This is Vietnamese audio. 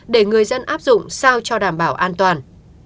để người dân áp dụng sao cho đảm bảo an toàn